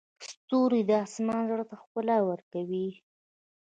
ستوري د اسمان زړه ته ښکلا ورکوي.